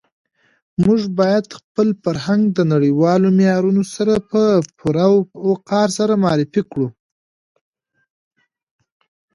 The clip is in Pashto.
موږ باید خپل فرهنګ د نړیوالو معیارونو سره په پوره وقار سره معرفي کړو.